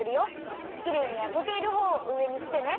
きれいにやけているほうをうえにしてね。